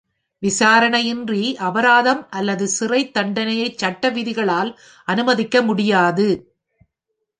விசாரணையின்றி அபராதம் அல்லது சிறை தண்டனையை சட்ட விதிகளால் அனுமதிக்க முடியாது.